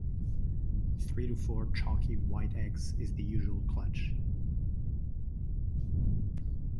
Three to four chalky white eggs is the usual clutch.